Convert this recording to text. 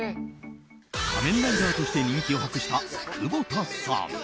仮面ライダーとして人気を博した久保田さん。